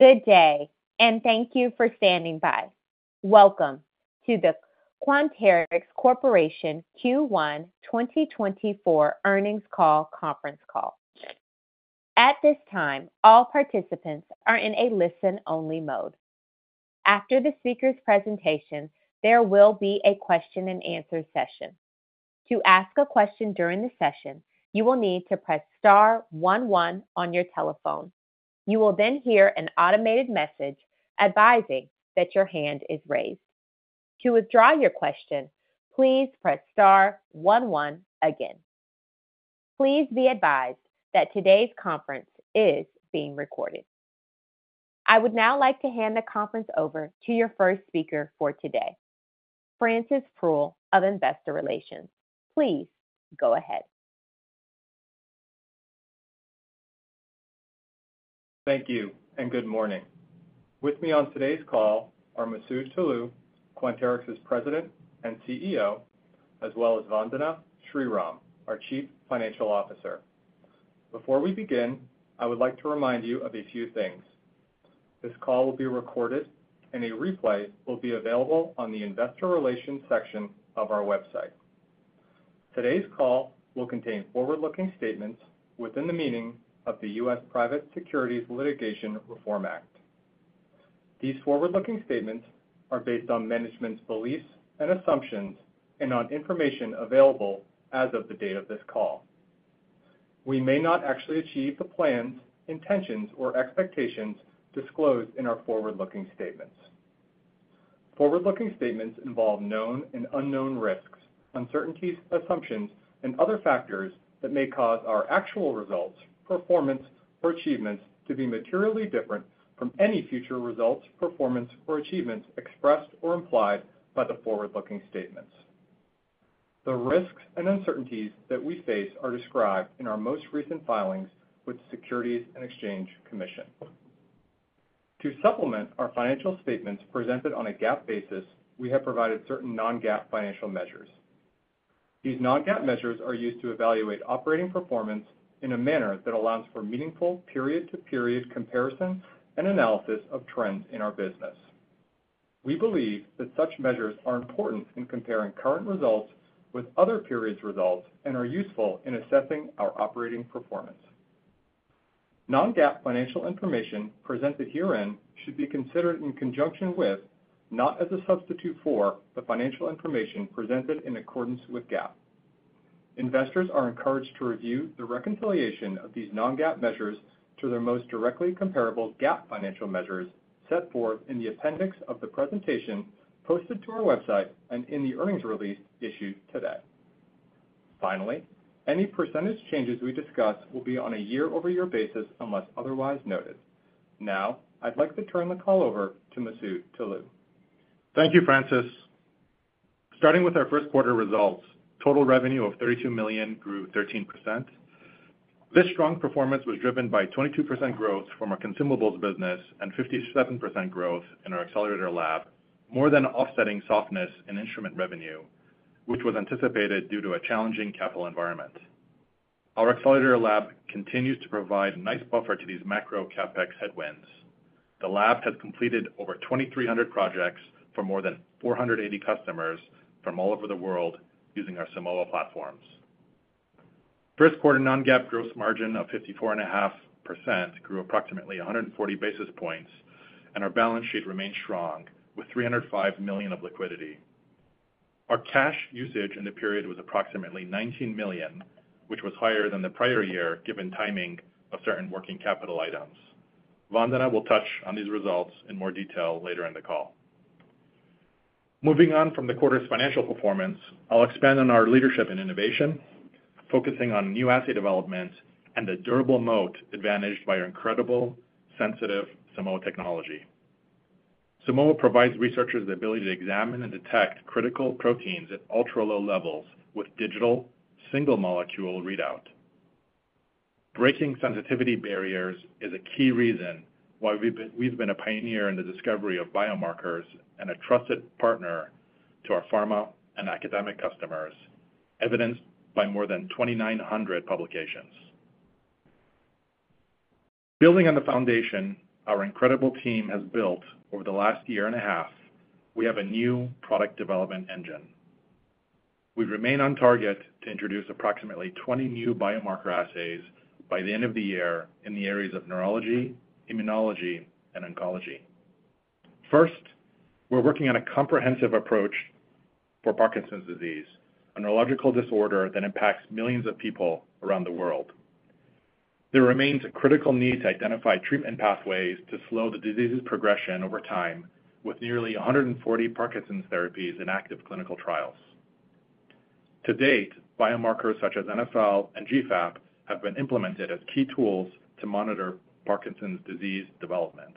Good day, and thank you for standing by. Welcome to the Quanterix Corporation Q1 2024 earnings call conference call. At this time, all participants are in a listen-only mode. After the speaker's presentation, there will be a question-and-answer session. To ask a question during the session, you will need to press star one one on your telephone. You will then hear an automated message advising that your hand is raised. To withdraw your question, please press star one one again. Please be advised that today's conference is being recorded. I would now like to hand the conference over to your first speaker for today, Francis Proulx of Investor Relations. Please go ahead. Thank you, and good morning. With me on today's call are Masoud Toloue, Quanterix's President and CEO, as well as Vandana Sriram, our Chief Financial Officer. Before we begin, I would like to remind you of a few things. This call will be recorded, and a replay will be available on the investor relations section of our website. Today's call will contain forward-looking statements within the meaning of the U.S. Private Securities Litigation Reform Act. These forward-looking statements are based on management's beliefs and assumptions and on information available as of the date of this call. We may not actually achieve the plans, intentions, or expectations disclosed in our forward-looking statements. Forward-looking statements involve known and unknown risks, uncertainties, assumptions, and other factors that may cause our actual results, performance, or achievements to be materially different from any future results, performance, or achievements expressed or implied by the forward-looking statements. The risks and uncertainties that we face are described in our most recent filings with the Securities and Exchange Commission. To supplement our financial statements presented on a GAAP basis, we have provided certain non-GAAP financial measures. These non-GAAP measures are used to evaluate operating performance in a manner that allows for meaningful period-to-period comparison and analysis of trends in our business. We believe that such measures are important in comparing current results with other periods' results and are useful in assessing our operating performance. Non-GAAP financial information presented herein should be considered in conjunction with, not as a substitute for, the financial information presented in accordance with GAAP. Investors are encouraged to review the reconciliation of these non-GAAP measures to their most directly comparable GAAP financial measures set forth in the appendix of the presentation posted to our website and in the earnings release issued today. Finally, any percentage changes we discuss will be on a year-over-year basis, unless otherwise noted. Now, I'd like to turn the call over to Masoud Toloue. Thank you, Francis. Starting with our first quarter results, total revenue of $32 million grew 13%. This strong performance was driven by 22% growth from our consumables business and 57% growth in our Accelerator Lab, more than offsetting softness in instrument revenue, which was anticipated due to a challenging capital environment. Our Accelerator Lab continues to provide a nice buffer to these macro CapEx headwinds. The lab has completed over 2,300 projects for more than 480 customers from all over the world using our Simoa platforms. First quarter non-GAAP gross margin of 54.5% grew approximately 140 basis points, and our balance sheet remains strong, with $305 million of liquidity. Our cash usage in the period was approximately $19 million, which was higher than the prior year, given timing of certain working capital items. Vandana will touch on these results in more detail later in the call. Moving on from the quarter's financial performance, I'll expand on our leadership and innovation, focusing on new assay developments and the durable moat advantaged by our incredible, sensitive Simoa technology. Simoa provides researchers the ability to examine and detect critical proteins at ultra-low levels with digital, single-molecule readout. Breaking sensitivity barriers is a key reason why we've been a pioneer in the discovery of biomarkers and a trusted partner to our pharma and academic customers, evidenced by more than 2,900 publications. Building on the foundation our incredible team has built over the last year and a half, we have a new product development engine. We remain on target to introduce approximately 20 new biomarker assays by the end of the year in the areas of neurology, immunology, and oncology. First, we're working on a comprehensive approach for Parkinson's disease, a neurological disorder that impacts millions of people around the world. There remains a critical need to identify treatment pathways to slow the disease's progression over time, with nearly 140 Parkinson's therapies in active clinical trials. To date, biomarkers such as NfL and GFAP have been implemented as key tools to monitor Parkinson's disease development.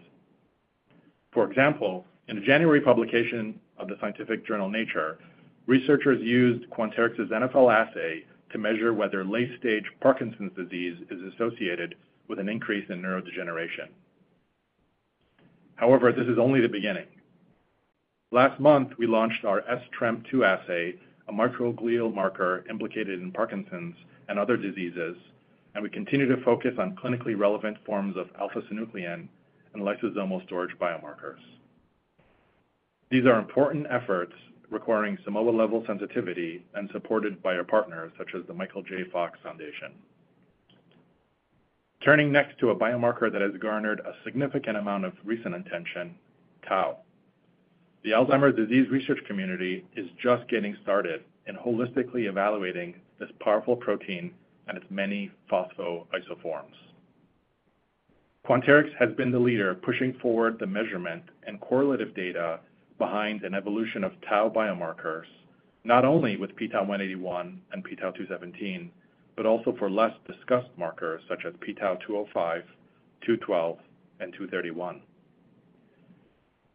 For example, in a January publication of the scientific journal Nature, researchers used Quanterix's NfL assay to measure whether late-stage Parkinson's disease is associated with an increase in neurodegeneration. However, this is only the beginning.... Last month, we launched our sTREM2 assay, a microglial marker implicated in Parkinson's and other diseases, and we continue to focus on clinically relevant forms of alpha-synuclein and lysosomal storage biomarkers. These are important efforts requiring Simoa level sensitivity and supported by our partners, such as the Michael J. Fox Foundation. Turning next to a biomarker that has garnered a significant amount of recent attention, tau. The Alzheimer's disease research community is just getting started in holistically evaluating this powerful protein and its many phospho isoforms. Quanterix has been the leader, pushing forward the measurement and correlative data behind an evolution of tau biomarkers, not only with p-tau 181 and p-tau 217, but also for less discussed markers such as p-tau 205, 212, and 231.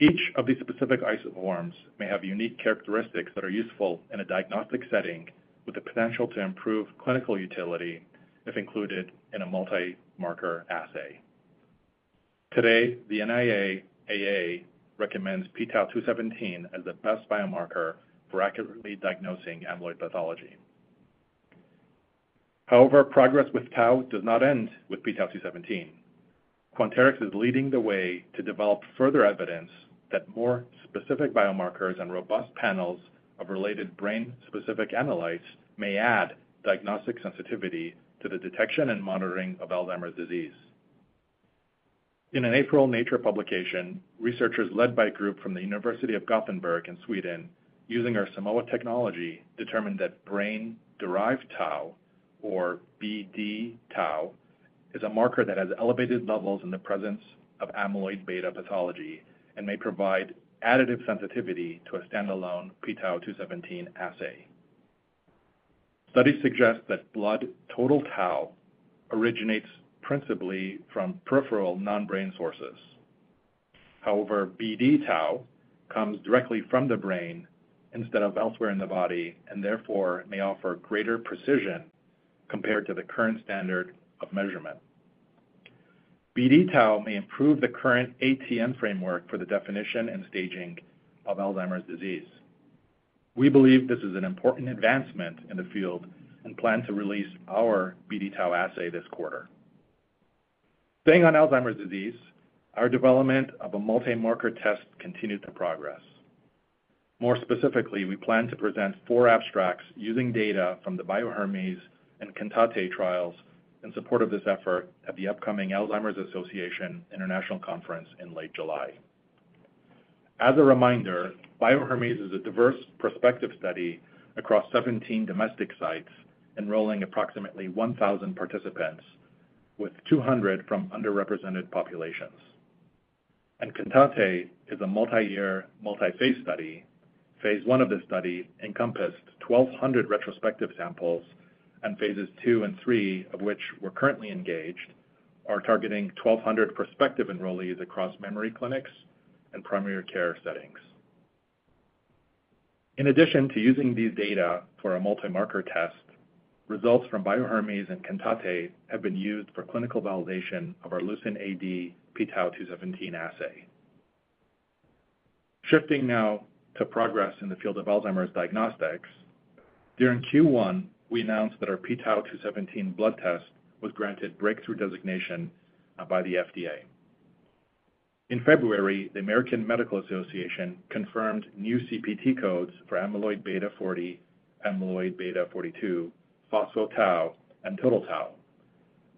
Each of these specific isoforms may have unique characteristics that are useful in a diagnostic setting, with the potential to improve clinical utility if included in a multi-marker assay. Today, the NIA-AA recommends p-tau 217 as the best biomarker for accurately diagnosing amyloid pathology. However, progress with tau does not end with p-tau 217. Quanterix is leading the way to develop further evidence that more specific biomarkers and robust panels of related brain-specific analytes may add diagnostic sensitivity to the detection and monitoring of Alzheimer's disease. In an April Nature publication, researchers led by a group from the University of Gothenburg in Sweden, using our Simoa technology, determined that brain-derived tau, or BD-tau, is a marker that has elevated levels in the presence of amyloid beta pathology and may provide additive sensitivity to a standalone p-tau 217 assay. Studies suggest that blood total tau originates principally from peripheral non-brain sources. However, BD-tau comes directly from the brain instead of elsewhere in the body, and therefore may offer greater precision compared to the current standard of measurement. BD-tau may improve the current ATN framework for the definition and staging of Alzheimer's disease. We believe this is an important advancement in the field and plan to release our BD-tau assay this quarter. Staying on Alzheimer's disease, our development of a multi-marker test continued to progress. More specifically, we plan to present four abstracts using data from the Bio-Hermes and CANTATA trials in support of this effort at the upcoming Alzheimer's Association International Conference in late July. As a reminder, Bio-Hermes is a diverse prospective study across 17 domestic sites, enrolling approximately 1,000 participants, with 200 from underrepresented populations. CANTATA is a multi-year, multi-phase study. Phase one of this study encompassed 1,200 retrospective samples, and phases two and three, of which we're currently engaged, are targeting 1,200 prospective enrollees across memory clinics and primary care settings. In addition to using these data for a multi-marker test, results from Bio-Hermes and CANTATA have been used for clinical validation of our LucentAD p-tau 217 assay. Shifting now to progress in the field of Alzheimer's diagnostics. During Q1, we announced that our p-tau 217 blood test was granted breakthrough designation by the FDA. In February, the American Medical Association confirmed new CPT codes for amyloid beta 40, amyloid beta 42, phospho-tau, and total tau.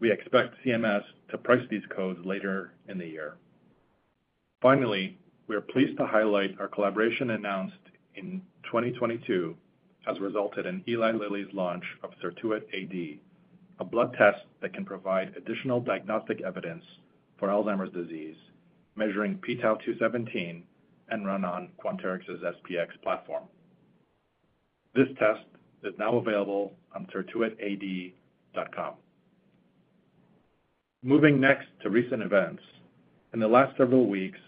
We expect CMS to price these codes later in the year. Finally, we are pleased to highlight our collaboration announced in 2022, has resulted in Eli Lilly's launch of CertuitAD, a blood test that can provide additional diagnostic evidence for Alzheimer's disease, measuring p-tau 217 and run on Quanterix's SP-X platform. This test is now available on certuitad.com. Moving next to recent events. In the last several weeks,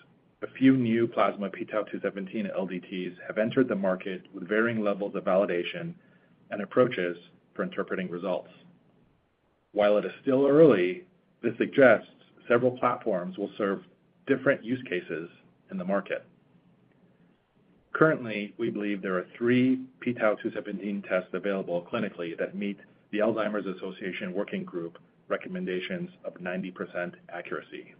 a few new plasma p-tau 217 LDTs have entered the market with varying levels of validation and approaches for interpreting results. While it is still early, this suggests several platforms will serve different use cases in the market. Currently, we believe there are three p-tau 217 tests available clinically that meet the Alzheimer's Association working group recommendations of 90% accuracy.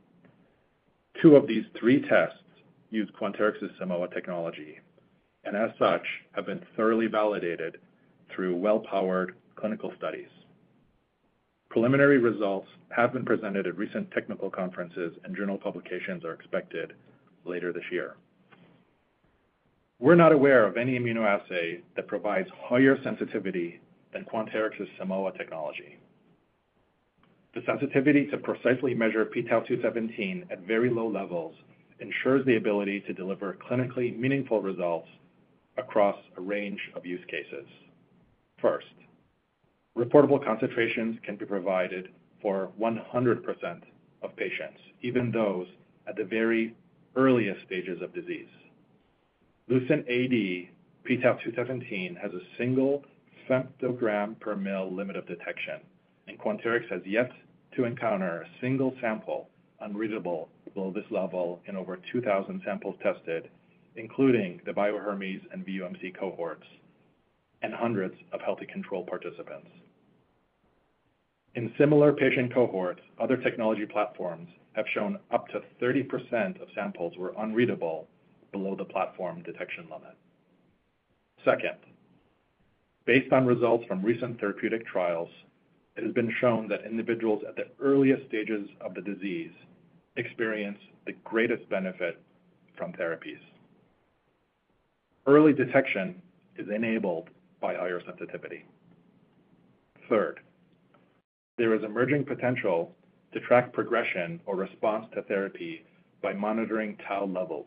Two of these three tests use Quanterix's Simoa technology, and as such, have been thoroughly validated through well-powered clinical studies. Preliminary results have been presented at recent technical conferences, and journal publications are expected later this year. We're not aware of any immunoassay that provides higher sensitivity than Quanterix's Simoa technology. The sensitivity to precisely measure p-tau 217 at very low levels ensures the ability to deliver clinically meaningful results across a range of use cases. First, reportable concentrations can be provided for 100% of patients, even those at the very earliest stages of disease. LucentAD p-tau 217 has a single femtogram per mil limit of detection, and Quanterix has yet to encounter a single sample unreadable below this level in over 2,000 samples tested, including the Bio-Hermes and VUMC cohorts and hundreds of healthy control participants. In similar patient cohorts, other technology platforms have shown up to 30% of samples were unreadable below the platform detection limit. Second, based on results from recent therapeutic trials, it has been shown that individuals at the earliest stages of the disease experience the greatest benefit from therapies. Early detection is enabled by higher sensitivity. Third, there is emerging potential to track progression or response to therapy by monitoring tau levels.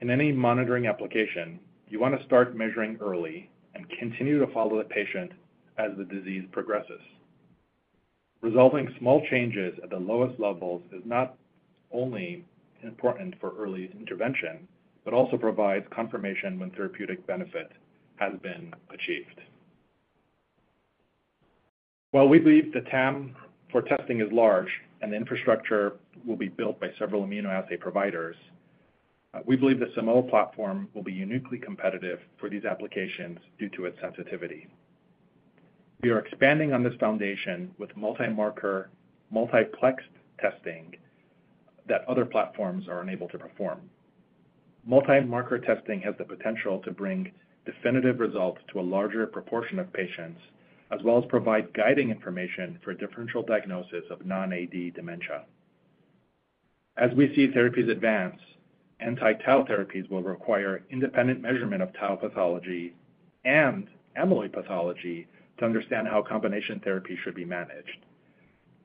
In any monitoring application, you want to start measuring early and continue to follow the patient as the disease progresses. Resolving small changes at the lowest levels is not only important for early intervention, but also provides confirmation when therapeutic benefit has been achieved. While we believe the TAM for testing is large and the infrastructure will be built by several immunoassay providers, we believe the Simoa platform will be uniquely competitive for these applications due to its sensitivity. We are expanding on this foundation with multi-marker, multiplexed testing that other platforms are unable to perform. Multi-marker testing has the potential to bring definitive results to a larger proportion of patients, as well as provide guiding information for differential diagnosis of non-AD dementia. As we see therapies advance, anti-tau therapies will require independent measurement of tau pathology and amyloid pathology to understand how combination therapy should be managed.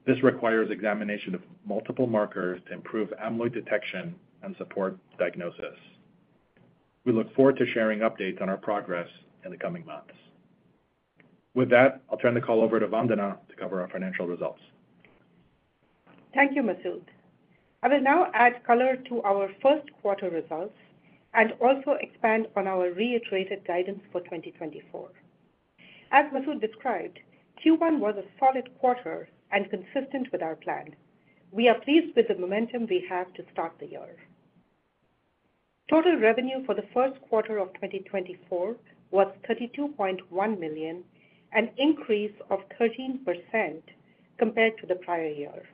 This requires examination of multiple markers to improve amyloid detection and support diagnosis. We look forward to sharing updates on our progress in the coming months. With that, I'll turn the call over to Vandana to cover our financial results. Thank you, Masoud. I will now add color to our first quarter results and also expand on our reiterated guidance for 2024. As Masoud described, Q1 was a solid quarter and consistent with our plan. We are pleased with the momentum we have to start the year. Total revenue for the first quarter of 2024 was $32.1 million, an increase of 13% compared to the prior year.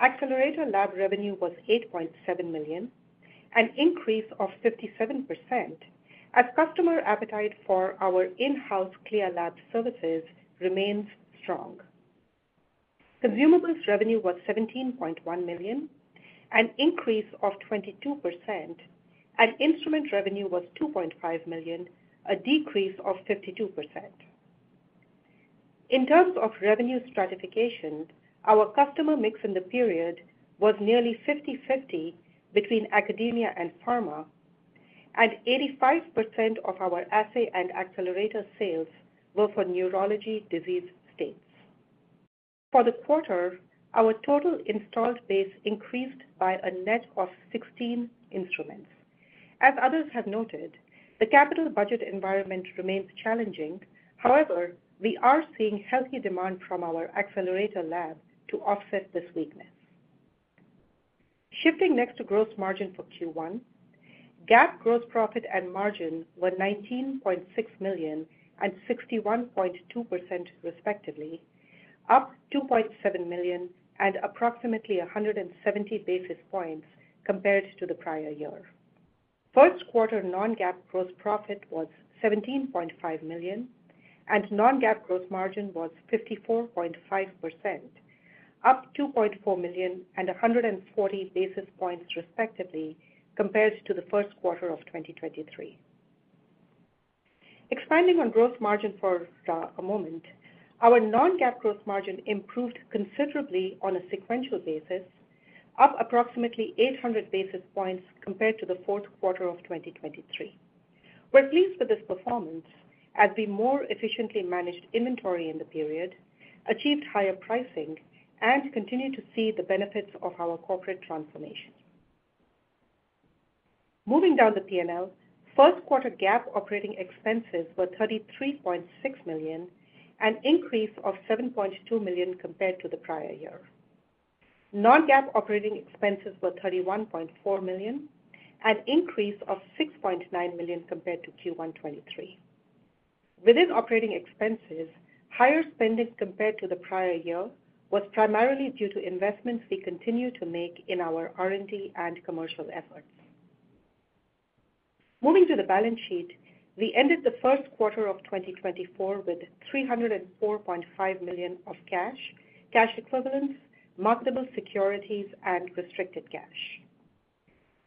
Accelerator Lab revenue was $8.7 million, an increase of 57%, as customer appetite for our in-house CLIA lab services remains strong. Consumables revenue was $17.1 million, an increase of 22%, and instrument revenue was $2.5 million, a decrease of 52%. In terms of revenue stratification, our customer mix in the period was nearly 50/50 between academia and pharma, and 85% of our assay and Accelerator sales were for neurology disease states. For the quarter, our total installed base increased by a net of 16 instruments. As others have noted, the capital budget environment remains challenging. However, we are seeing healthy demand from our Accelerator Lab to offset this weakness. Shifting next to gross margin for Q1, GAAP gross profit and margin were $19.6 million and 61.2%, respectively, up $2.7 million and approximately 170 basis points compared to the prior year. First quarter non-GAAP gross profit was $17.5 million, and non-GAAP gross margin was 54.5%, up $2.4 million and 140 basis points, respectively, compared to the first quarter of 2023. Expanding on gross margin for a moment, our non-GAAP gross margin improved considerably on a sequential basis, up approximately 800 basis points compared to the fourth quarter of 2023. We're pleased with this performance as we more efficiently managed inventory in the period, achieved higher pricing, and continued to see the benefits of our corporate transformation. Moving down the P&L, first quarter GAAP operating expenses were $33.6 million, an increase of $7.2 million compared to the prior year. Non-GAAP operating expenses were $31.4 million, an increase of $6.9 million compared to Q1 2023. Within operating expenses, higher spending compared to the prior year was primarily due to investments we continue to make in our R&D and commercial efforts. Moving to the balance sheet, we ended the first quarter of 2024 with $304.5 million of cash, cash equivalents, marketable securities, and restricted cash.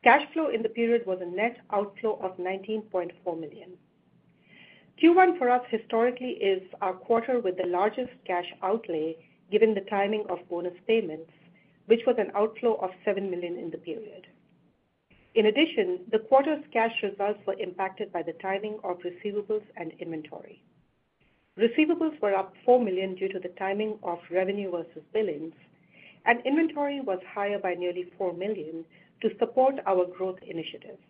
Cash flow in the period was a net outflow of $19.4 million. Q1 for us historically is our quarter with the largest cash outlay, given the timing of bonus payments, which was an outflow of $7 million in the period. In addition, the quarter's cash results were impacted by the timing of receivables and inventory. Receivables were up $4 million due to the timing of revenue versus billings, and inventory was higher by nearly $4 million to support our growth initiatives.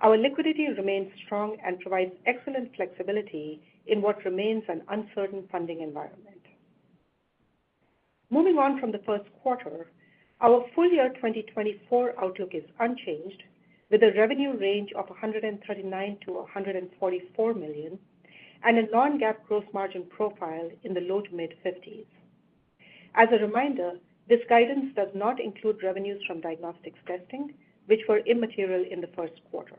Our liquidity remains strong and provides excellent flexibility in what remains an uncertain funding environment. Moving on from the first quarter, our full year 2024 outlook is unchanged, with a revenue range of $139 million-$144 million, and a non-GAAP growth margin profile in the low-to-mid 50s. As a reminder, this guidance does not include revenues from diagnostics testing, which were immaterial in the first quarter.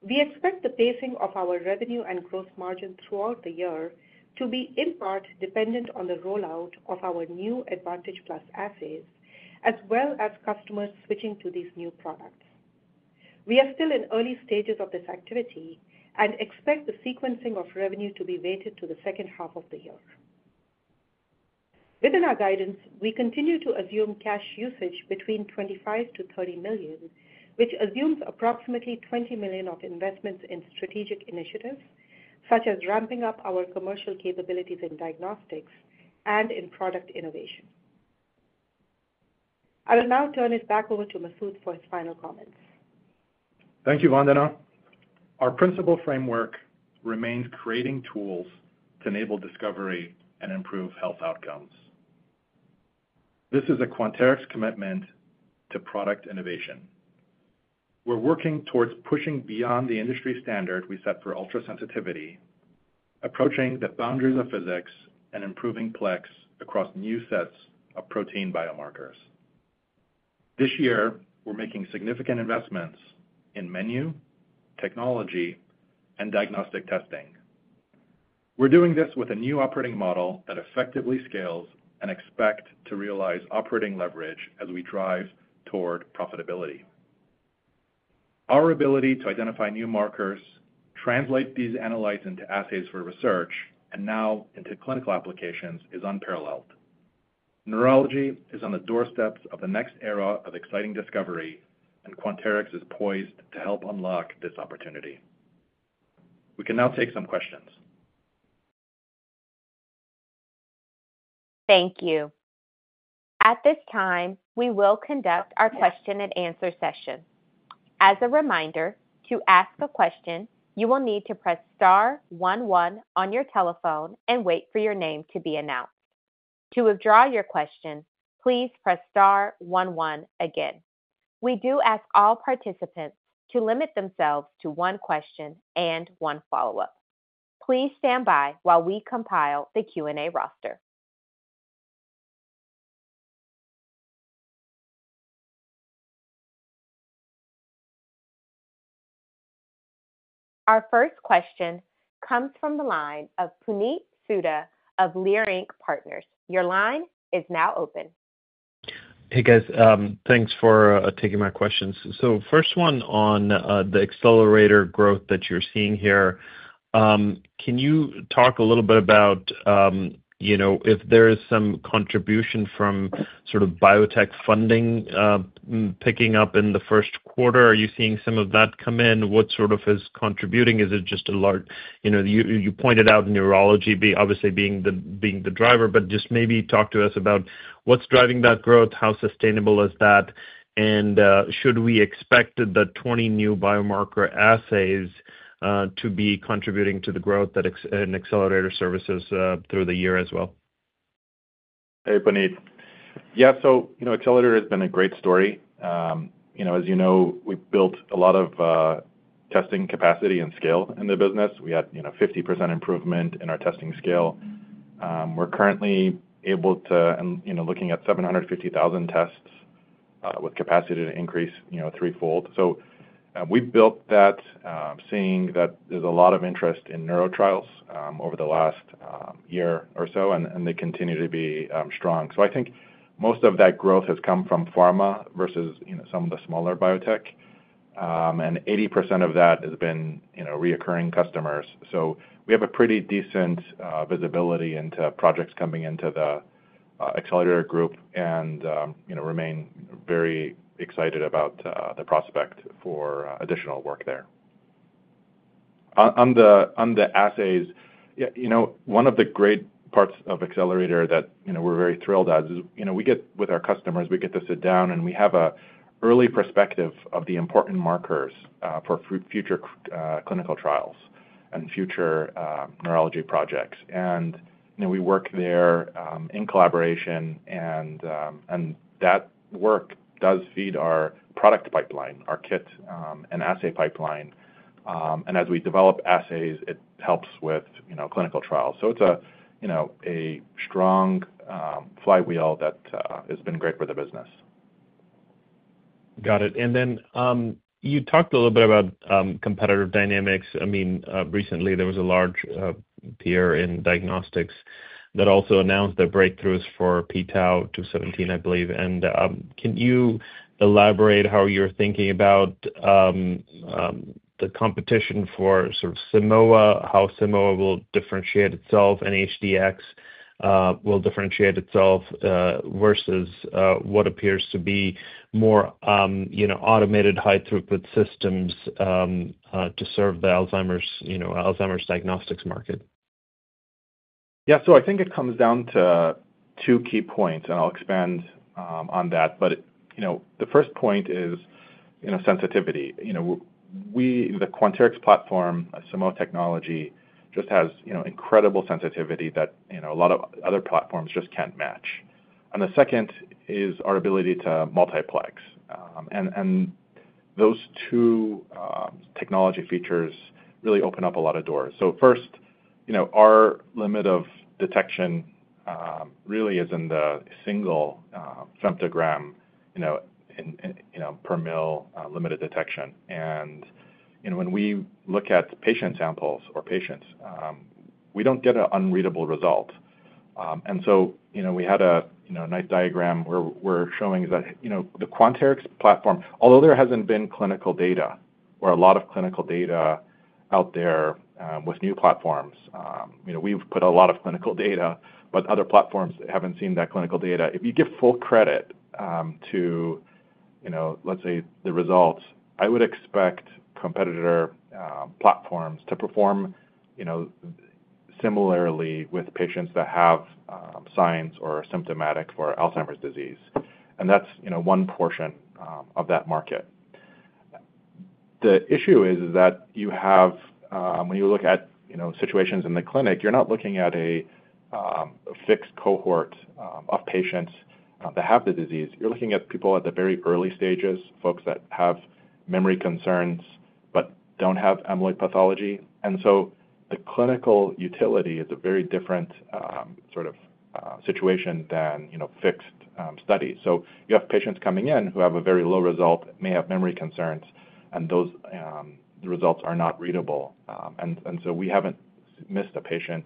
We expect the pacing of our revenue and growth margin throughout the year to be in part dependent on the rollout of our new Advantage Plus assays, as well as customers switching to these new products. We are still in early stages of this activity and expect the sequencing of revenue to be weighted to the second half of the year. Within our guidance, we continue to assume cash usage between $25 million-$30 million, which assumes approximately $20 million of investments in strategic initiatives, such as ramping up our commercial capabilities in diagnostics and in product innovation. I will now turn it back over to Masoud for his final comments. Thank you, Vandana. Our principal framework remains creating tools to enable discovery and improve health outcomes. This is a Quanterix commitment to product innovation. We're working towards pushing beyond the industry standard we set for ultra-sensitivity, approaching the boundaries of physics, and improving plex across new sets of protein biomarkers. This year, we're making significant investments in menu, technology, and diagnostic testing. We're doing this with a new operating model that effectively scales and expect to realize operating leverage as we drive toward profitability. Our ability to identify new markers, translate these analytes into assays for research, and now into clinical applications, is unparalleled. Neurology is on the doorsteps of the next era of exciting discovery, and Quanterix is poised to help unlock this opportunity. We can now take some questions. Thank you. At this time, we will conduct our question and answer session. As a reminder, to ask a question, you will need to press star one one on your telephone and wait for your name to be announced. To withdraw your question, please press star one one again. We do ask all participants to limit themselves to one question and one follow-up. Please stand by while we compile the Q&A roster. Our first question comes from the line of Puneet Souda of Leerink Partners. Your line is now open. Hey, guys. Thanks for taking my questions. So first one on the Accelerator growth that you're seeing here. Can you talk a little bit about you know, if there is some contribution from sort of biotech funding picking up in the first quarter? Are you seeing some of that come in? What sort of is contributing? Is it just a large... You know, you pointed out neurology, obviously, being the driver, but just maybe talk to us about what's driving that growth, how sustainable is that, and should we expect the 20 new biomarker assays to be contributing to the growth in Accelerator services through the year as well? Hey, Puneet. Yeah, so, you know, Accelerator has been a great story. You know, as you know, we've built a lot of testing capacity and scale in the business. We had, you know, 50% improvement in our testing scale. We're currently able to, you know, looking at 750,000 tests with capacity to increase, you know, threefold. So, we've built that seeing that there's a lot of interest in neuro trials over the last year or so, and they continue to be strong. So I think most of that growth has come from pharma versus, you know, some of the smaller biotech, and 80% of that has been, you know, recurring customers. So we have a pretty decent visibility into projects coming into the Accelerator group and, you know, remain very excited about the prospect for additional work there. On the assays, yeah, you know, one of the great parts of Accelerator that, you know, we're very thrilled at is, you know, we get with our customers, we get to sit down, and we have a early perspective of the important markers for future clinical trials and future neurology projects. And, you know, we work there in collaboration, and that work does feed our product pipeline, our kit and assay pipeline. And as we develop assays, it helps with, you know, clinical trials. So it's a, you know, a strong flywheel that has been great for the business. Got it. And then, you talked a little bit about, competitive dynamics. I mean, recently there was a large, peer in diagnostics that also announced the breakthroughs for p-tau 217, I believe. And, can you elaborate how you're thinking about, the competition for sort of Simoa, how Simoa will differentiate itself and HD-X will differentiate itself, versus, what appears to be more, you know, automated high throughput systems, to serve the Alzheimer's, you know, Alzheimer's diagnostics market? Yeah. So I think it comes down to two key points, and I'll expand on that. But, you know, the first point is, you know, sensitivity. You know, we, the Quanterix platform, Simoa technology, just has, you know, incredible sensitivity that, you know, a lot of other platforms just can't match. And the second is our ability to multiplex. And, and those two technology features really open up a lot of doors. So first, you know, our limit of detection really is in the single femtogram, you know, in, in, you know, per ml, limit of detection. And, you know, when we look at patient samples or patients, we don't get an unreadable result. And so, you know, we had a nice diagram where we're showing that, you know, the Quanterix platform, although there hasn't been clinical data or a lot of clinical data out there with new platforms, you know, we've put a lot of clinical data, but other platforms haven't seen that clinical data. If you give full credit to, you know, let's say, the results, I would expect competitor platforms to perform, you know, similarly with patients that have signs or are symptomatic for Alzheimer's disease. And that's, you know, one portion of that market. The issue is that you have... When you look at, you know, situations in the clinic, you're not looking at a fixed cohort of patients that have the disease. You're looking at people at the very early stages, folks that have memory concerns but don't have amyloid pathology. So the clinical utility is a very different sort of situation than, you know, fixed studies. So you have patients coming in who have a very low result, may have memory concerns, and the results are not readable. And so we haven't missed a patient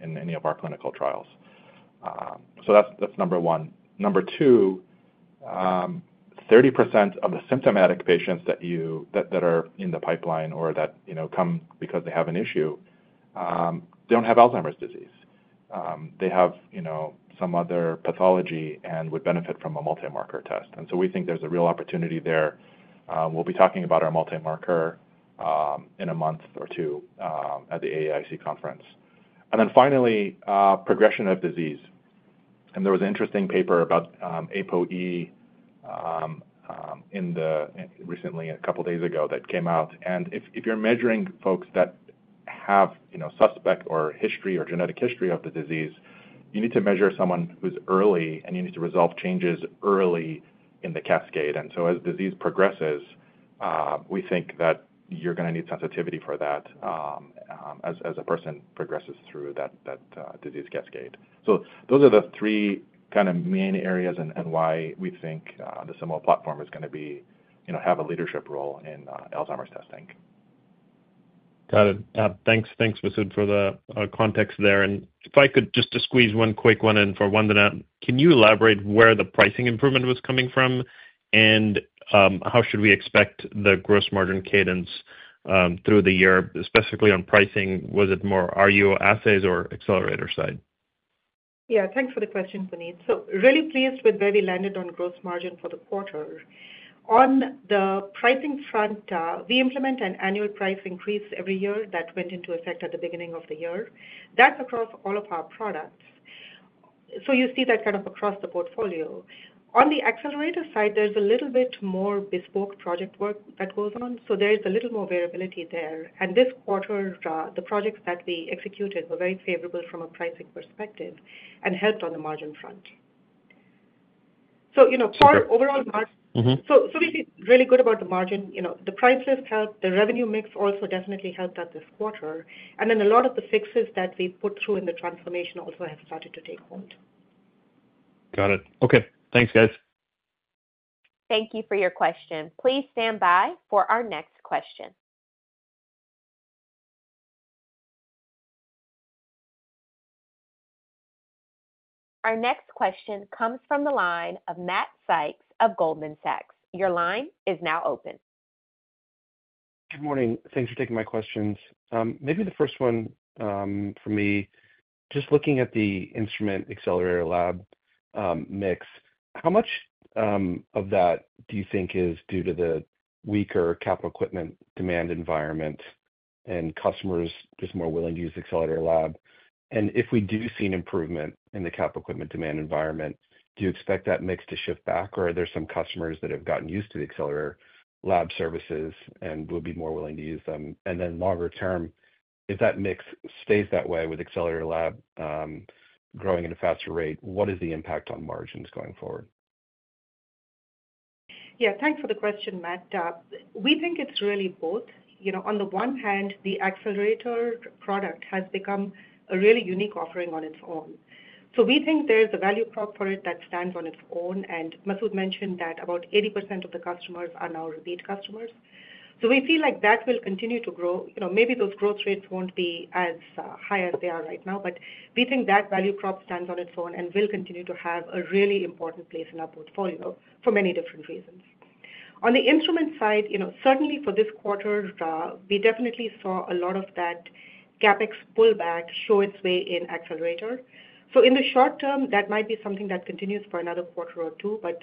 in any of our clinical trials. So that's number one. Number two, 30% of the symptomatic patients that are in the pipeline or that, you know, come because they have an issue don't have Alzheimer's disease. They have, you know, some other pathology and would benefit from a multi-marker test. And so we think there's a real opportunity there. We'll be talking about our multi-marker in a month or two at the AAIC conference. And then finally, progression of disease. And there was an interesting paper about APOE in the recently, a couple of days ago, that came out. And if you're measuring folks that have, you know, suspect or history or genetic history of the disease, you need to measure someone who's early, and you need to resolve changes early in the cascade. And so as disease progresses, we think that you're going to need sensitivity for that as a person progresses through that disease cascade. So those are the three kind of main areas and why we think the Simoa platform is going to be, you know, have a leadership role in Alzheimer's testing. Got it. Thanks. Thanks, Masoud, for the context there. And if I could just squeeze one quick one in for Vandana. Can you elaborate where the pricing improvement was coming from? And, how should we expect the gross margin cadence through the year, specifically on pricing, was it more RUO assays or Accelerator side? Yeah, thanks for the question, Puneet. So really pleased with where we landed on gross margin for the quarter. On the pricing front, we implement an annual price increase every year. That went into effect at the beginning of the year. That's across all of our products, so you see that kind of across the portfolio. On the Accelerator side, there's a little bit more bespoke project work that goes on, so there is a little more variability there. And this quarter, the projects that we executed were very favorable from a pricing perspective and helped on the margin front. So, you know, for overall margin- Mm-hmm. So, so we feel really good about the margin. You know, the price list helped. The revenue mix also definitely helped out this quarter. And then a lot of the fixes that we put through in the transformation also have started to take hold. Got it. Okay, thanks, guys. Thank you for your question. Please stand by for our next question. Our next question comes from the line of Matt Sykes of Goldman Sachs. Your line is now open. Good morning. Thanks for taking my questions. Maybe the first one, for me, just looking at the instrument Accelerator Lab mix, how much of that do you think is due to the weaker capital equipment demand environment and customers just more willing to use Accelerator Lab? And if we do see an improvement in the capital equipment demand environment, do you expect that mix to shift back, or are there some customers that have gotten used to the Accelerator Lab services and will be more willing to use them? And then longer term, if that mix stays that way with Accelerator Lab growing at a faster rate, what is the impact on margins going forward? Yeah, thanks for the question, Matt. We think it's really both. You know, on the one hand, the Accelerator product has become a really unique offering on its own. So we think there is a value prop for it that stands on its own, and Masoud mentioned that about 80% of the customers are now repeat customers. So we feel like that will continue to grow. You know, maybe those growth rates won't be as high as they are right now, but we think that value prop stands on its own and will continue to have a really important place in our portfolio for many different reasons. On the instrument side, you know, certainly for this quarter, we definitely saw a lot of that CapEx pullback show its way in Accelerator. So in the short term, that might be something that continues for another quarter or two, but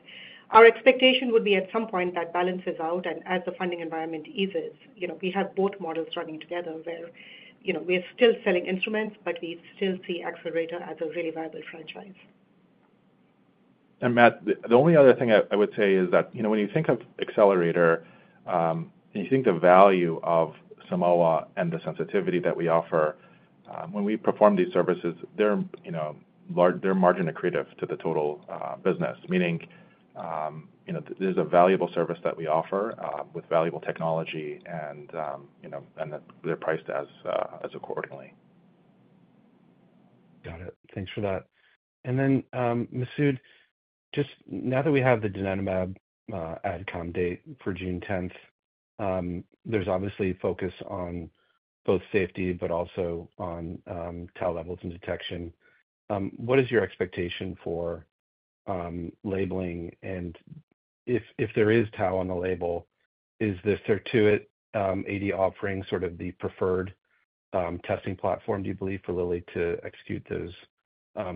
our expectation would be at some point that balances out, and as the funding environment eases, you know, we have both models running together where, you know, we're still selling instruments, but we still see Accelerator as a really viable franchise. Matt, the only other thing I would say is that, you know, when you think of Accelerator and you think the value of Simoa and the sensitivity that we offer, when we perform these services, they're, you know, margin accretive to the total business. Meaning, you know, this is a valuable service that we offer with valuable technology and, you know, and that they're priced as accordingly. Got it. Thanks for that. And then, Masoud, just now that we have the donanemab, AdCom date for June tenth, there's obviously a focus on both safety but also on, tau levels and detection. What is your expectation for, labeling? And if, if there is tau on the label, is the Certuit, AD offering sort of the preferred, testing platform, do you believe, for Lilly to execute those,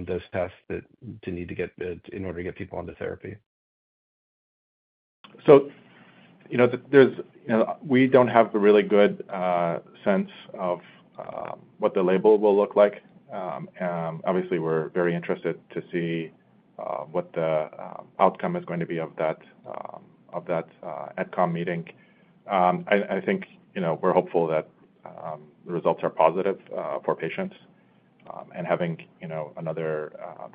those tests that they need to get, in order to get people onto therapy? So, you know, there's, you know, we don't have a really good sense of what the label will look like. And obviously, we're very interested to see what the outcome is going to be of that AdCom meeting. I think, you know, we're hopeful that the results are positive for patients, and having, you know, another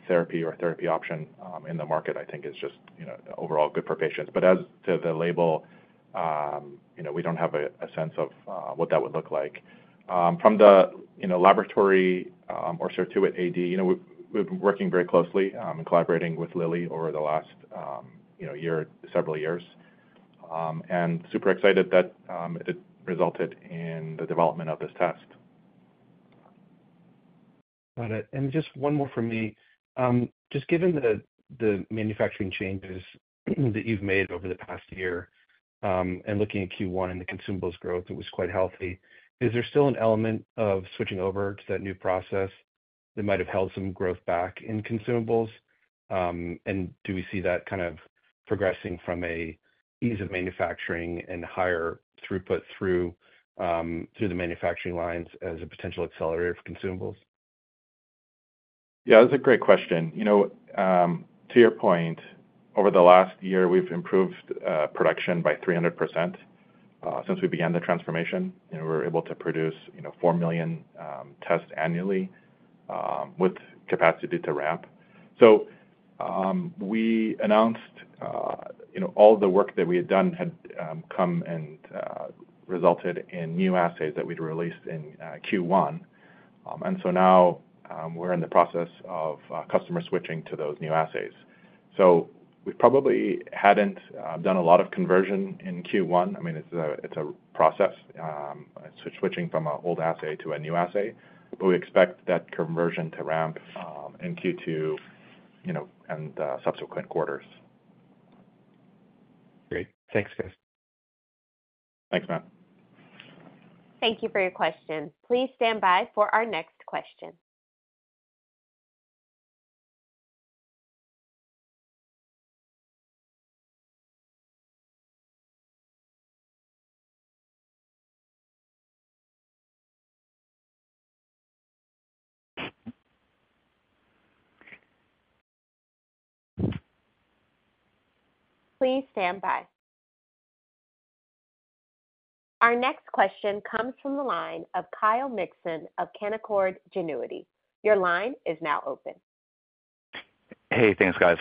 therapy or therapy option in the market, I think is just, you know, overall good for patients. But as to the label, you know, we don't have a sense of what that would look like. From the laboratory, you know, or Certuit AD, you know, we've been working very closely and collaborating with Lilly over the last, you know, year, several years, and super excited that it resulted in the development of this test. Got it. And just one more from me. Just given the manufacturing changes that you've made over the past year, and looking at Q1 and the consumables growth, it was quite healthy, is there still an element of switching over to that new process that might have held some growth back in consumables? And do we see that kind of progressing from an ease of manufacturing and higher throughput through the manufacturing lines as a potential Accelerator of consumables? Yeah, that's a great question. You know, to your point, over the last year, we've improved production by 300%, since we began the transformation, and we're able to produce, you know, 4 million tests annually, with capacity to ramp. So, we announced, you know, all the work that we had done had come and resulted in new assays that we'd released in Q1. And so now, we're in the process of customer switching to those new assays. So we probably hadn't done a lot of conversion in Q1. I mean, it's a process switching from an old assay to a new assay, but we expect that conversion to ramp in Q2, you know, and subsequent quarters. Great. Thanks, guys. Thanks, Matt. Thank you for your question. Please stand by for our next question. Please stand by. Our next question comes from the line of Kyle Mikson of Canaccord Genuity. Your line is now open. Hey, thanks, guys.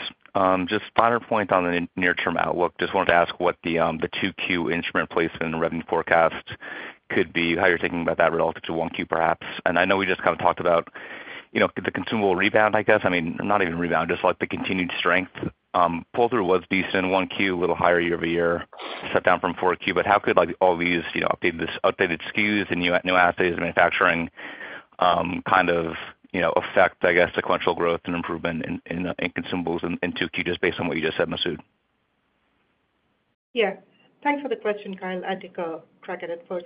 Just final point on the near-term outlook. Just wanted to ask what the 2Q instrument placement and revenue forecast could be, how you're thinking about that relative to 1Q, perhaps. And I know we just kind of talked about, you know, the consumable rebound, I guess. I mean, not even rebound, just like the continued strength. Pull-through was decent in 1Q, a little higher year-over-year, set down from 4Q. But how could, like, all these, you know, updated, these updated SKUs and new, new assays, manufacturing, kind of, you know, affect, I guess, sequential growth and improvement in consumables in 2Q, just based on what you just said, Masoud? Yeah. Thanks for the question, Kyle. I'll take a crack at it first.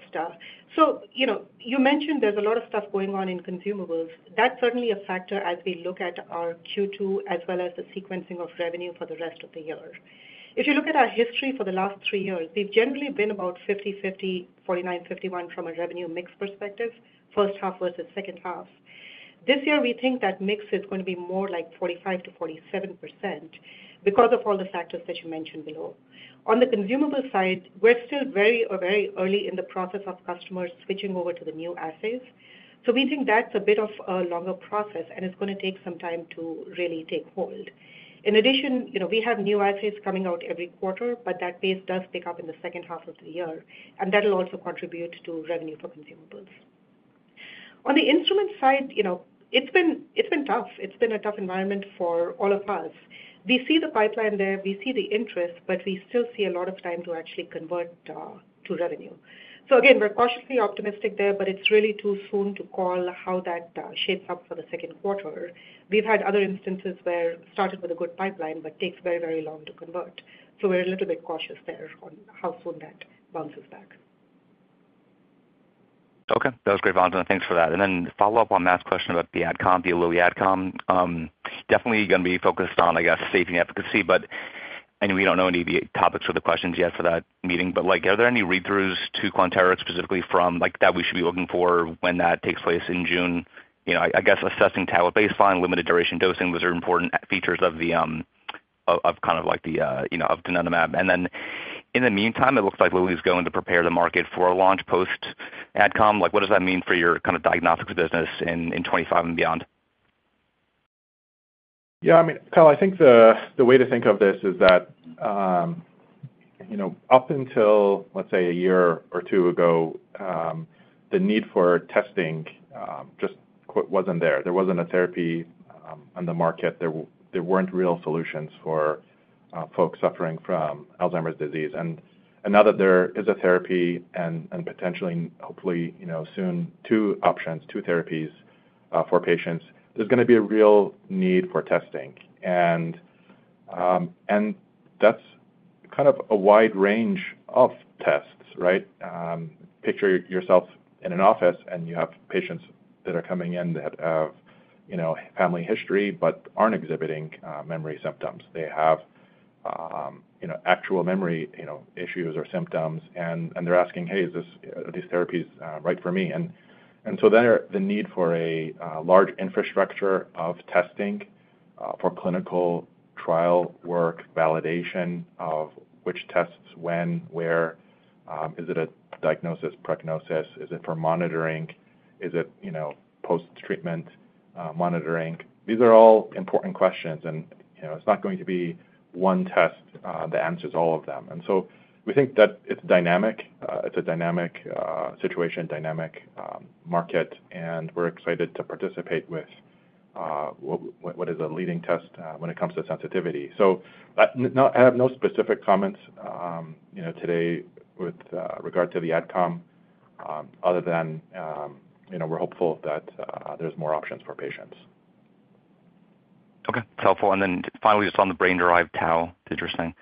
So you know, you mentioned there's a lot of stuff going on in consumables. That's certainly a factor as we look at our Q2 as well as the sequencing of revenue for the rest of the year. If you look at our history for the last three years, we've generally been about 50/50, 49/51 from a revenue mix perspective, first half versus second half. This year, we think that mix is going to be more like 45%-47% because of all the factors that you mentioned below. On the consumable side, we're still very, very early in the process of customers switching over to the new assays, so we think that's a bit of a longer process, and it's gonna take some time to really take hold. In addition, you know, we have new assays coming out every quarter, but that pace does pick up in the second half of the year, and that'll also contribute to revenue for consumables. On the instrument side, you know, it's been, it's been tough. It's been a tough environment for all of us. We see the pipeline there, we see the interest, but we still see a lot of time to actually convert to revenue. So again, we're cautiously optimistic there, but it's really too soon to call how that shapes up for the second quarter. We've had other instances where it started with a good pipeline, but takes very, very long to convert. So we're a little bit cautious there on how soon that bounces back. Okay, that was great, Vandana. Thanks for that. And then follow up on Matt's question about the AdCom, the Lilly AdCom. Definitely going to be focused on, I guess, safety and efficacy. But, I mean, we don't know any of the topics or the questions yet for that meeting, but, like, are there any read-throughs to Quanterix specifically from, like, that we should be looking for when that takes place in June? You know, I guess assessing tau baseline, limited duration dosing, those are important features of the kind of like the, you know, of donanemab. And then in the meantime, it looks like Lilly is going to prepare the market for a launch post AdCom. Like, what does that mean for your kind of diagnostics business in 25 and beyond? Yeah, I mean, Kyle, I think the way to think of this is that, you know, up until, let's say, a year or two ago, the need for testing just wasn't there. There wasn't a therapy on the market. There weren't real solutions for folks suffering from Alzheimer's disease. And now that there is a therapy and potentially, hopefully, you know, soon, two options, two therapies for patients, there's going to be a real need for testing. And that's kind of a wide range of tests, right? Picture yourself in an office, and you have patients that are coming in that have, you know, family history but aren't exhibiting memory symptoms. They have, you know, actual memory, you know, issues or symptoms, and, and they're asking: Hey, is this, are these therapies, right for me? And, and so there, the need for a, large infrastructure of testing, for clinical trial work, validation of which tests when, where, is it a diagnosis, prognosis, is it for monitoring? Is it, you know, post-treatment, monitoring? These are all important questions, and, you know, it's not going to be one test, that answers all of them. And so we think that it's dynamic. It's a dynamic, situation, dynamic, market, and we're excited to participate with, what, what is a leading test, when it comes to sensitivity. So, no, I have no specific comments, you know, today with regard to the AdCom, other than, you know, we're hopeful that there's more options for patients. Okay, helpful. And then finally, just on the brain-derived tau, interesting.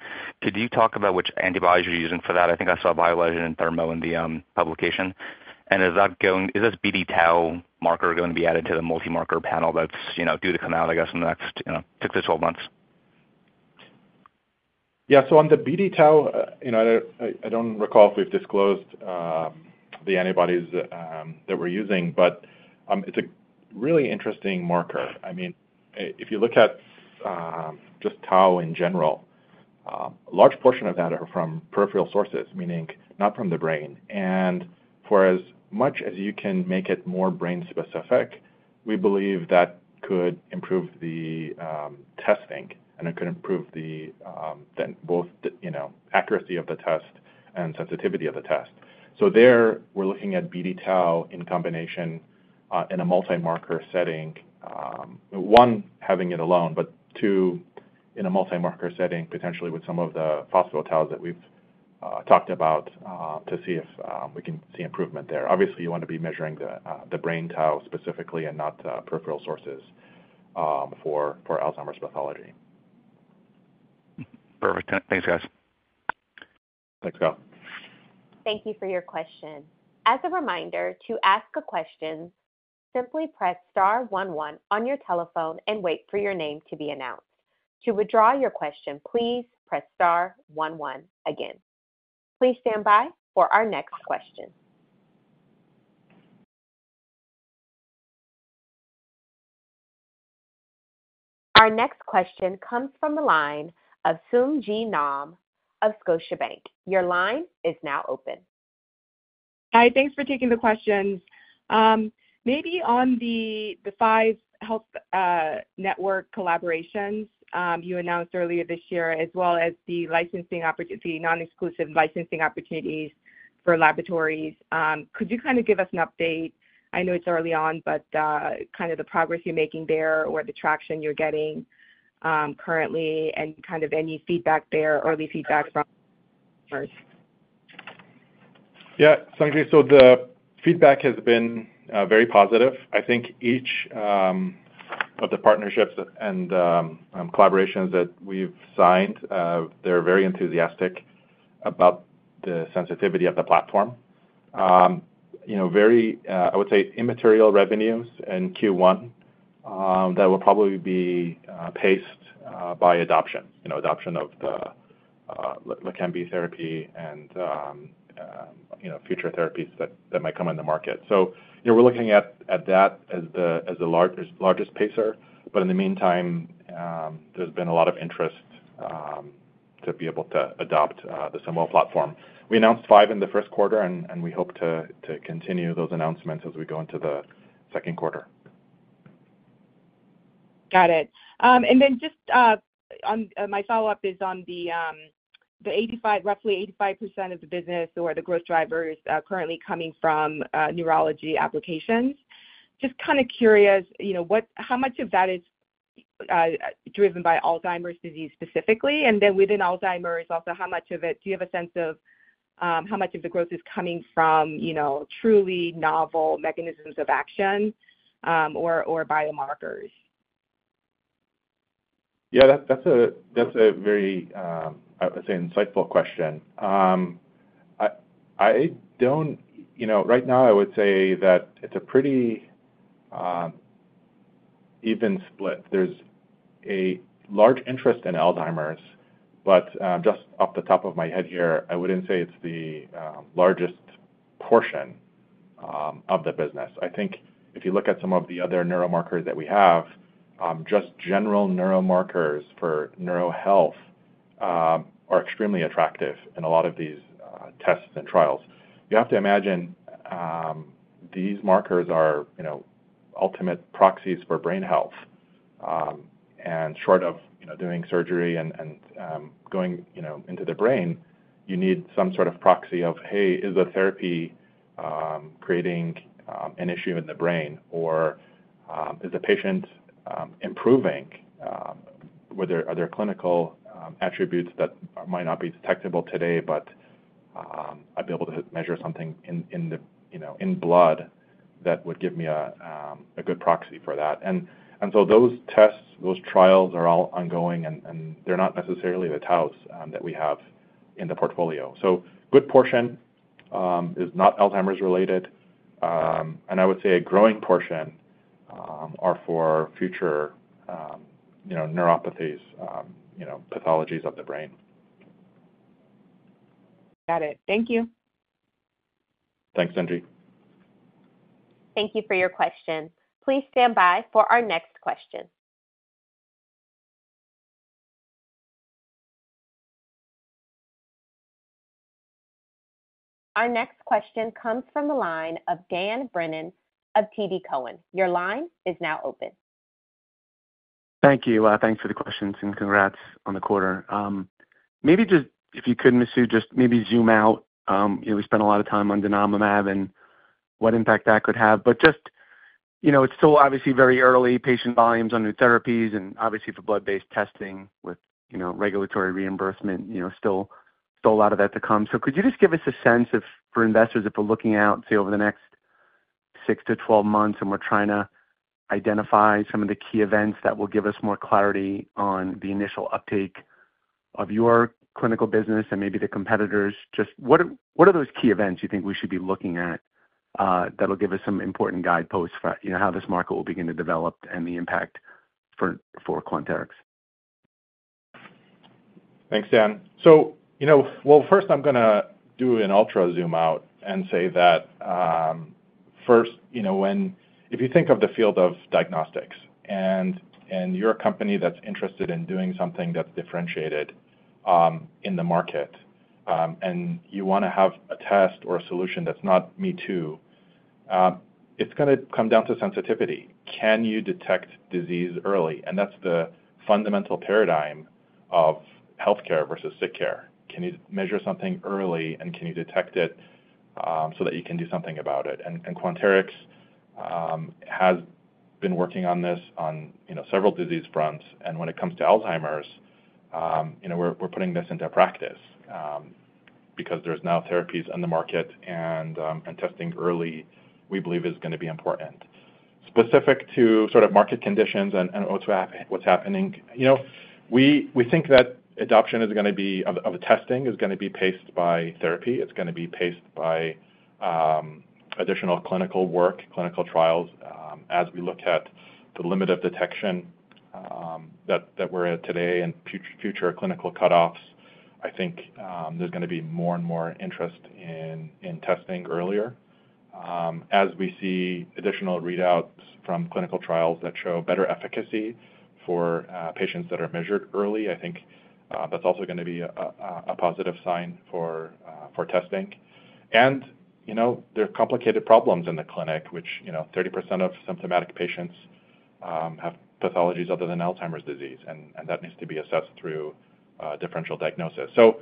Could you talk about which antibodies you're using for that? I think I saw BioLegend and Thermo in the publication. And is that going- is this BD-tau marker going to be added to the multi-marker panel that's, you know, due to come out, I guess, in the next, you know, 6-12 months? Yeah. So on the BD-tau, you know, I don't recall if we've disclosed the antibodies that we're using, but it's a really interesting marker. I mean, if you look at just tau in general, a large portion of that are from peripheral sources, meaning not from the brain. And for as much as you can make it more brain specific, we believe that could improve the testing, and it could improve the both, you know, accuracy of the test and sensitivity of the test. So there, we're looking at BD-tau in combination in a multi-marker setting. One, having it alone, but two, in a multi-marker setting, potentially with some of the phospho-taus that we've talked about to see if we can see improvement there. Obviously, you want to be measuring the brain tau specifically and not the peripheral sources for Alzheimer's pathology. Perfect. Thanks, guys. Thanks, Kyle. Thank you for your question. As a reminder, to ask a question, simply press star one one on your telephone and wait for your name to be announced. To withdraw your question, please press star one one again. Please stand by for our next question. Our next question comes from the line of Sung Ji Nam of Scotiabank. Your line is now open. Hi, thanks for taking the questions. Maybe on the 5 health network collaborations you announced earlier this year, as well as the non-exclusive licensing opportunities for laboratories, could you kind of give us an update? I know it's early on, but kind of the progress you're making there or the traction you're getting currently, and kind of any feedback there, early feedback from partners? Yeah, Sung Ji. So the feedback has been very positive. I think each of the partnerships and collaborations that we've signed, they're very enthusiastic about the sensitivity of the platform. You know, very, I would say immaterial revenues in Q1, that will probably be paced by adoption, you know, adoption of the Leqembi therapy and, you know, future therapies that might come in the market. So, you know, we're looking at that as the largest pacer. But in the meantime, there's been a lot of interest to be able to adopt the Simoa platform. We announced five in the first quarter, and we hope to continue those announcements as we go into the second quarter. Got it. And then just, my follow-up is on the, the 85, roughly 85% of the business or the growth drivers, currently coming from, neurology applications. Just kind of curious, you know, what, how much of that is, driven by Alzheimer's disease specifically? And then within Alzheimer's, also, how much of it... Do you have a sense of, how much of the growth is coming from, you know, truly novel mechanisms of action, or, or biomarkers? Yeah, that's a very insightful question. I don't, you know, right now I would say that it's a pretty even split. There's a large interest in Alzheimer's, but just off the top of my head here, I wouldn't say it's the largest portion of the business. I think if you look at some of the other neuromarkers that we have, just general neuromarkers for neurohealth are extremely attractive in a lot of these tests and trials. You have to imagine these markers are, you know, ultimate proxies for brain health. And short of, you know, doing surgery and going, you know, into the brain, you need some sort of proxy of, hey, is the therapy creating an issue in the brain, or is the patient improving? Are there clinical attributes that might not be detectable today, but I'd be able to measure something in the, you know, in blood that would give me a good proxy for that. And so those tests, those trials are all ongoing, and they're not necessarily the taus that we have in the portfolio. So good portion is not Alzheimer's related, and I would say a growing portion are for future, you know, neuropathies, you know, pathologies of the brain. Got it. Thank you. Thanks, Sung Ji. Thank you for your question. Please stand by for our next question. Our next question comes from the line of Dan Brennan of TD Cowen. Your line is now open. Thank you. Thanks for the questions, and congrats on the quarter. Maybe just if you could, Masoud, just maybe zoom out. You know, we spent a lot of time on donanemab and what impact that could have, but just, you know, it's still obviously very early patient volumes on new therapies and obviously for blood-based testing with, you know, regulatory reimbursement, you know, still, still a lot of that to come. So could you just give us a sense of, for investors, if we're looking out, say, over the next six to 12 months, and we're trying to identify some of the key events that will give us more clarity on the initial uptake of your clinical business and maybe the competitors, just what are, what are those key events you think we should be looking at, that'll give us some important guideposts for, you know, how this market will begin to develop and the impact for, for Quanterix? Thanks, Dan. So, you know, well, first, I'm gonna do an ultra zoom out and say that, first, you know, If you think of the field of diagnostics and, and you're a company that's interested in doing something that's differentiated, in the market, and you wanna have a test or a solution that's not me too, it's gonna come down to sensitivity. Can you detect disease early? And that's the fundamental paradigm of healthcare versus sick care. Can you measure something early, and can you detect it, so that you can do something about it? And Quanterix has been working on this on, you know, several disease fronts, and when it comes to Alzheimer's, you know, we're putting this into practice, because there's now therapies on the market and testing early, we believe is gonna be important. Specific to sort of market conditions and what's happening, you know, we think that adoption is gonna be of testing is gonna be paced by therapy. It's gonna be paced by additional clinical work, clinical trials. As we look at the limit of detection, that we're at today and future clinical cutoffs, I think, there's gonna be more and more interest in testing earlier. As we see additional readouts from clinical trials that show better efficacy for patients that are measured early, I think, that's also gonna be a positive sign for testing. And, you know, there are complicated problems in the clinic, which, you know, 30% of symptomatic patients have pathologies other than Alzheimer's disease, and that needs to be assessed through differential diagnosis. So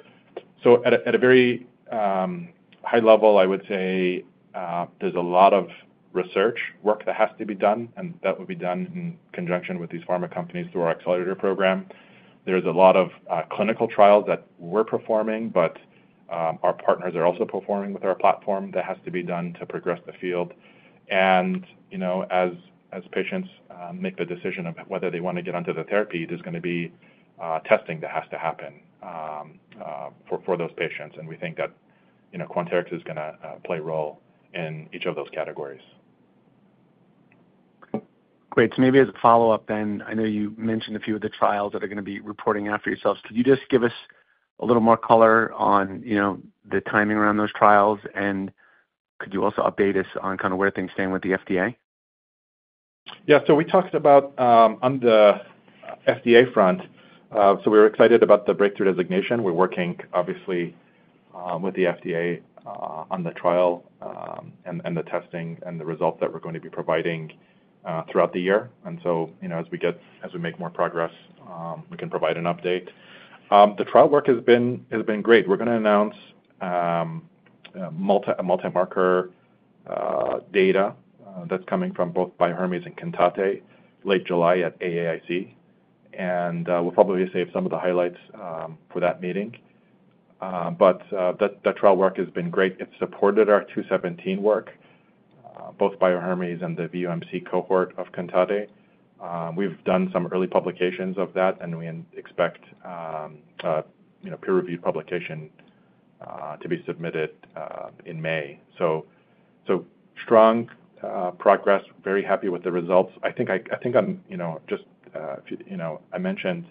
at a very high level, I would say, there's a lot of research work that has to be done, and that will be done in conjunction with these pharma companies through our Accelerator program. There's a lot of clinical trials that we're performing, but our partners are also performing with our platform. That has to be done to progress the field. And, you know, as patients make the decision of whether they want to get onto the therapy, there's gonna be testing that has to happen for those patients. And we think that, you know, Quanterix is gonna play a role in each of those categories. Great. So maybe as a follow-up then, I know you mentioned a few of the trials that are gonna be reporting out for yourselves. Could you just give us a little more color on, you know, the timing around those trials, and could you also update us on kind of where things stand with the FDA? Yeah. So we talked about, on the FDA front, so we're excited about the Breakthrough Designation. We're working obviously, with the FDA, on the trial, and, and the testing and the results that we're going to be providing, throughout the year. And so, you know, as we get- as we make more progress, we can provide an update. The trial work has been great. We're gonna announce, multi-marker, data, that's coming from both Bio-Hermes and CANTATA late July at AAIC, and, we'll probably save some of the highlights, for that meeting. But, the trial work has been great. It supported our 217 work.... Both Bio-Hermes and the VUMC cohort of CANTATA. We've done some early publications of that, and we expect, you know, peer review publication to be submitted in May. So strong progress, very happy with the results. I think I'm, you know, just, you know, I mentioned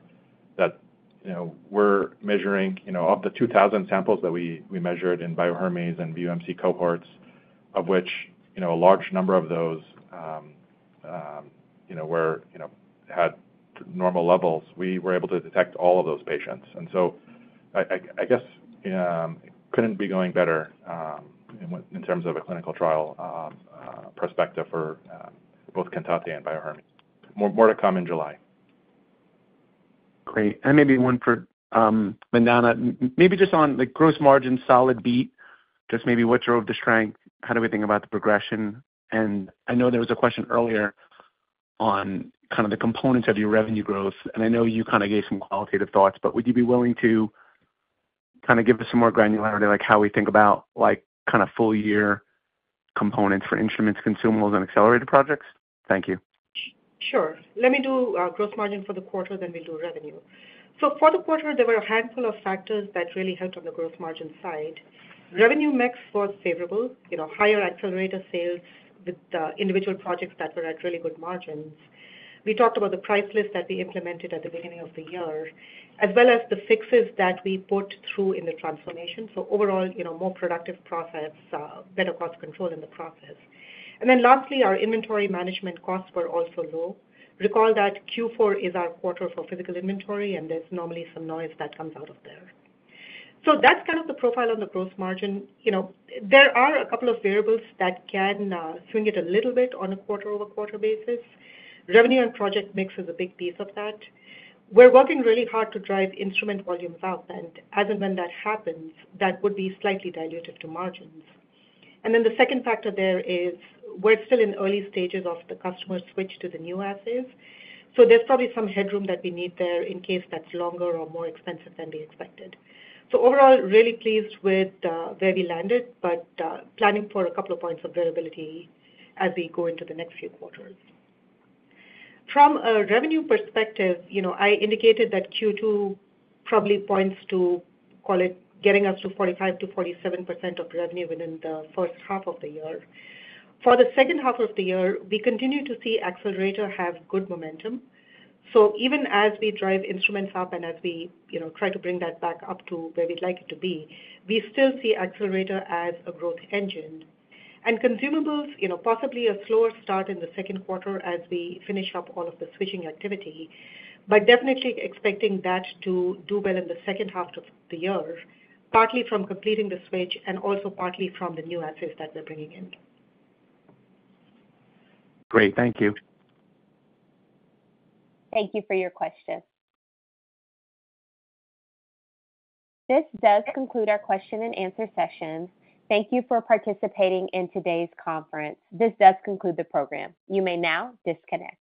that, you know, we're measuring, you know, of the 2,000 samples that we measured in Bio-Hermes and VUMC cohorts, of which, you know, a large number of those, you know, were, you know, had normal levels, we were able to detect all of those patients. And so I guess, it couldn't be going better, in terms of a clinical trial perspective for both CANTATA and Bio-Hermes. More to come in July. Great. And maybe one for Vandana. Maybe just on the gross margin solid beat, just maybe what drove the strength? How do we think about the progression? And I know there was a question earlier on kind of the components of your revenue growth, and I know you kind of gave some qualitative thoughts, but would you be willing to kinda give us some more granularity, like how we think about like kind of full year components for instruments, consumables, and Accelerator projects? Thank you. Sure. Let me do gross margin for the quarter, then we'll do revenue. So for the quarter, there were a handful of factors that really helped on the gross margin side. Revenue mix was favorable, you know, higher Accelerator sales with the individual projects that were at really good margins. We talked about the price list that we implemented at the beginning of the year, as well as the fixes that we put through in the transformation. So overall, you know, more productive process, better cost control in the process. And then lastly, our inventory management costs were also low. Recall that Q4 is our quarter for physical inventory, and there's normally some noise that comes out of there. So that's kind of the profile on the gross margin. You know, there are a couple of variables that can swing it a little bit on a quarter-over-quarter basis. Revenue and project mix is a big piece of that. We're working really hard to drive instrument volumes out, and as and when that happens, that would be slightly dilutive to margins. And then the second factor there is we're still in early stages of the customer switch to the new assays, so there's probably some headroom that we need there in case that's longer or more expensive than we expected. So overall, really pleased with where we landed, but planning for a couple of points of variability as we go into the next few quarters. From a revenue perspective, you know, I indicated that Q2 probably points to, call it, getting us to 45%-47% of revenue within the first half of the year. For the second half of the year, we continue to see Accelerator have good momentum. So even as we drive instruments up and as we, you know, try to bring that back up to where we'd like it to be, we still see Accelerator as a growth engine. And consumables, you know, possibly a slower start in the second quarter as we finish up all of the switching activity, but definitely expecting that to do well in the second half of the year, partly from completing the switch and also partly from the new assays that we're bringing in. Great. Thank you. Thank you for your question. This does conclude our question and answer session. Thank you for participating in today's conference. This does conclude the program. You may now disconnect.